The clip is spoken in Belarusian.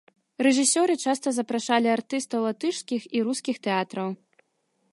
Рэжысёры часта запрашалі артыстаў латышскіх і рускіх тэатраў.